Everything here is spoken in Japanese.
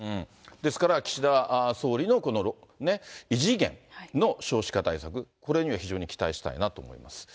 ですから岸田総理の異次元の少子化対策、これには非常に期待したいなと思います。